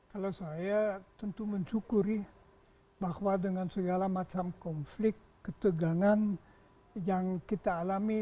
kalau saya tentu mensyukuri bahwa dengan segala macam konflik ketegangan yang kita alami